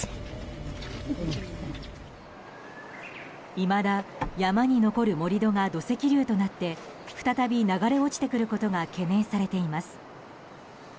いまだ山に残る盛り土が土石流となって再び流れ落ちてくることが懸念されています。